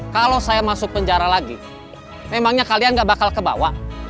kalau saya masuk penjara lagi memangnya kalian gak bakal kebawa